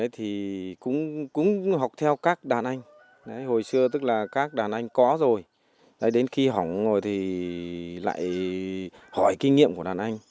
thì lại hỏi kinh nghiệm của đàn anh